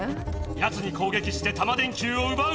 やつにこうげきしてタマ電Ｑをうばうのだ！